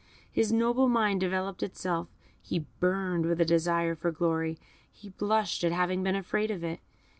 His noble mind developed itself, he burned with a desire for glory, he blushed at having been afraid of it.